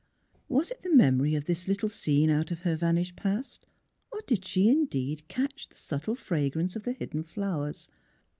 Was it the memory of this little scene out of her vanished past? Or did she indeed catch the subtle fragrance of the hidden flowers?